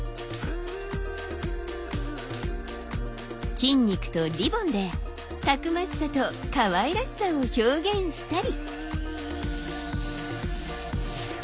筋肉とリボンでたくましさとかわいらしさを表現したり。